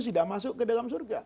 sudah masuk ke dalam surga